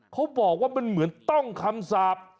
เขาบอกว่ามันเหมือนต้องคำสาป